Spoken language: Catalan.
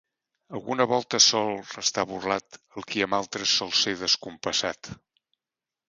Alguna volta sol restar burlat el qui amb altres sol ser descompassat.